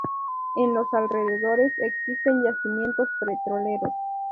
En los alrededores existen yacimientos petroleros.